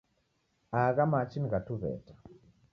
Agha machi ni gha Tuw'eta